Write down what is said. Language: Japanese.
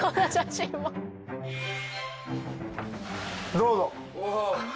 どうぞ。